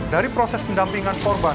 dari proses pendampingan korban